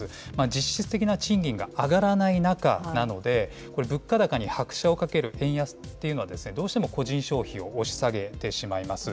実質的な賃金が上がらない中なので、これ、物価高に拍車をかける円安っていうのは、どうしても個人消費を押し下げてしまいます。